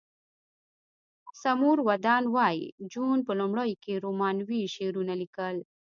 سمور ودان وایی جون په لومړیو کې رومانوي شعرونه لیکل